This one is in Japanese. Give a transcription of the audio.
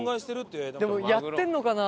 でもやってるのかな？